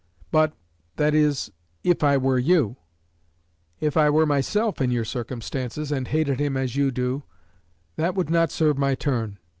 But, that is, if I were you. If I were myself in your circumstances, and hated him as you do, that would not serve my turn.